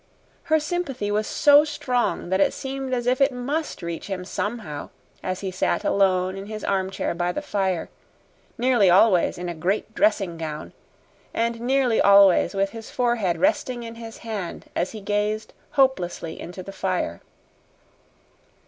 Her sympathy was so strong that it seemed as if it MUST reach him somehow as he sat alone in his armchair by the fire, nearly always in a great dressing gown, and nearly always with his forehead resting in his hand as he gazed hopelessly into the fire.